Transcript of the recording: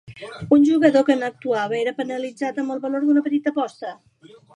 Un jugador que no actuava era penalitzat amb el valor d'una petita aposta.